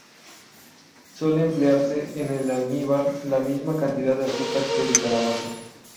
Suele emplearse en el almíbar la misma cantidad de azúcar que de calabaza.